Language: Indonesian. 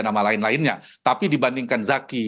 nama lain lainnya tapi dibandingkan zaki